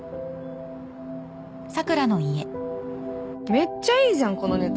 めっちゃいいじゃんこのネタ。